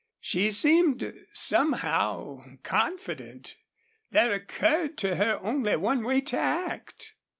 She seemed somehow confident. There occurred to her only one way to act.